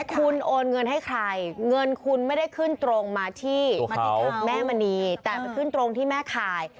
คุณโอนเงินให้ใครเงินคุณไม่ได้ขึ้นตรงมาที่มาถึงแม่มณีแต่ไปขึ้นตรงที่แม่คาย